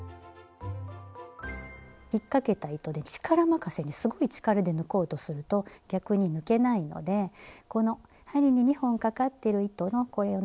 ひっかけた糸で力任せにすごい力で抜こうとすると逆に抜けないのでこの針に２本かかってる糸のこれをね